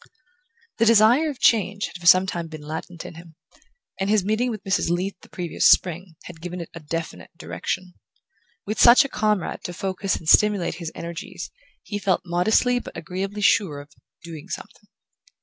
The desire for change had for some time been latent in him, and his meeting with Mrs. Leath the previous spring had given it a definite direction. With such a comrade to focus and stimulate his energies he felt modestly but agreeably sure of "doing something".